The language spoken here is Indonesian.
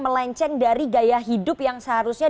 melenceng dari gaya hidup yang seharusnya